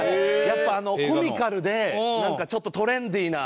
やっぱコミカルでなんかちょっとトレンディな。